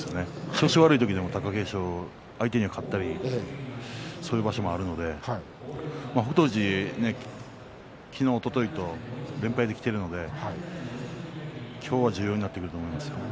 調子悪い時でも貴景勝を相手には勝ったりそういう場所もあるので昨日、おとといと北勝富士は連敗できているので今日が重要になってくると思います。